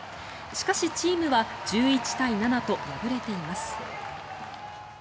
しかし、チームは１１対７と敗れています。